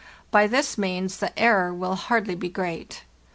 By this means the error will hardly be great.